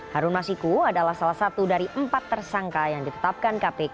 harun masiku adalah salah satu dari empat tersangka yang ditetapkan kpk